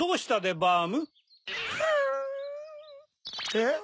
えっ？